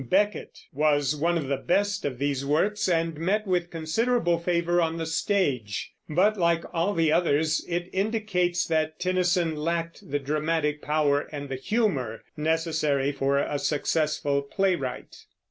Becket was one of the best of these works and met with considerable favor on the stage; but, like all the others, it indicates that Tennyson lacked the dramatic power and the humor necessary for a successful playwright.